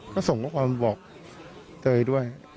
ก็ส่งข้อความบอกเตยด้วย